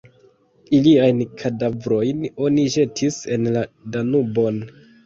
Iliajn kadavrojn oni ĵetis en la Danubon.